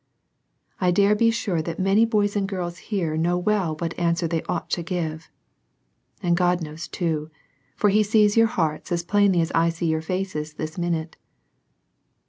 I dare be sure that many boys and girls here know well what answer they ought to give. And God knows to, for He sees your hearts as plainly as I see your faces this minute.